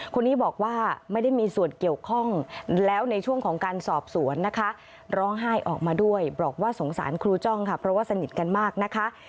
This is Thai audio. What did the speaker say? คนนี้บอกว่าไม่ได้มีส่วนเกี่ยวข้องแล้วในช่วงของการสอบสวนนะคะร้องไห้ออกมาด้วยบอกว่าสงสารครูจ้องค่ะเพราะว่าสนิทกันมากนะคะ